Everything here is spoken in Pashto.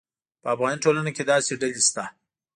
په افغاني ټولنه کې داسې ډلې شته.